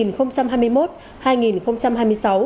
nhiệm kỳ hai nghìn hai mươi một hai nghìn hai mươi sáu